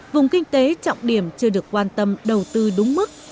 vùng kinh tế trọng điểm chưa được quan tâm đầu tư đúng mức